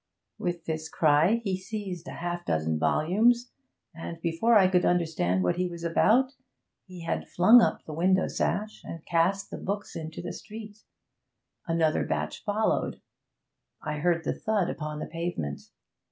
With this cry he seized half a dozen volumes, and, before I could understand what he was about, he had flung up the window sash, and cast the books into the street. Another batch followed; I heard the thud upon the pavement.